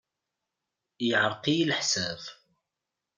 Yeɛreq-iyi leḥsab.